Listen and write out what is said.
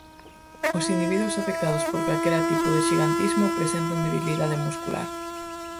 Os individuos afectados por calquera tipo de xigantismo presentan debilidade muscular.